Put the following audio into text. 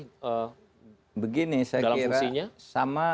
dalam fungsinya begini saya kira sama